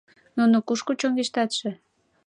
— Нуно кушко чоҥештатше?